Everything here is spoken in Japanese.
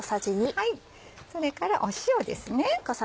それから塩ですね。